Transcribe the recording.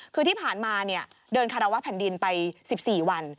คือที่ผ่านมาเดินคารวะแผ่นดินไป๑๔วัน